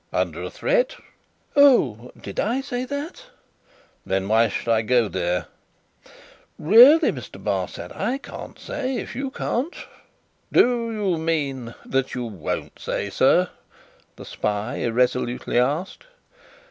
"Under a threat?" "Oh! Did I say that?" "Then, why should I go there?" "Really, Mr. Barsad, I can't say, if you can't." "Do you mean that you won't say, sir?" the spy irresolutely asked.